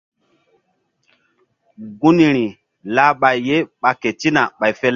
Gunri lah ɓay ye ɓa ketina ɓay fe le aŋay ku.